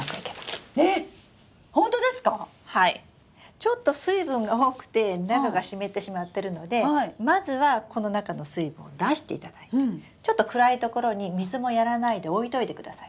ちょっと水分が多くて中が湿ってしまってるのでまずはこの中の水分を出していただいてちょっと暗い所に水もやらないで置いといてください。